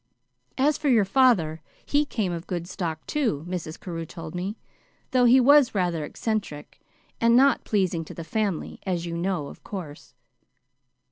As for your father he came of good stock, too, Mrs. Carew told me, though he was rather eccentric, and not pleasing to the family, as you know, of course."